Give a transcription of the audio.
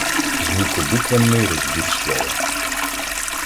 Звуко-буквенний розбір слова